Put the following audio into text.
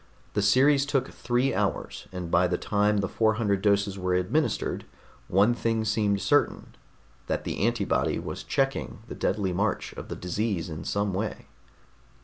The series took three hours, and by the time the four hundred doses were administered, one thing seemed certain: that the antibody was checking the deadly march of the disease in some way.